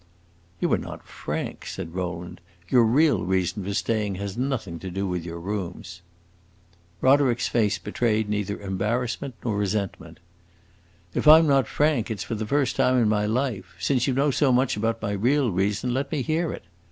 "You are not frank," said Rowland. "Your real reason for staying has nothing to do with your rooms." Roderick's face betrayed neither embarrassment nor resentment. "If I 'm not frank, it 's for the first time in my life. Since you know so much about my real reason, let me hear it!